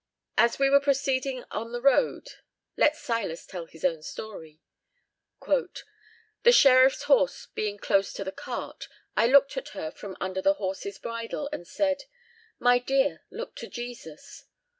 "As we were proceeding on the road," let Silas tell his own story, "the sheriff's horse being close to the cart, I looked at her from under the horse's bridle, and said, 'My dear, look to Jesus.'